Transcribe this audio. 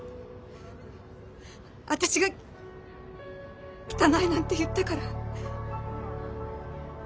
私が「汚い」なんて言ったから。